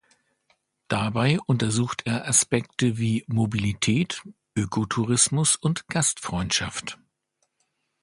Dabei untersucht er Aspekte wie Mobilität, Ökotourismus und Gastfreundschaft.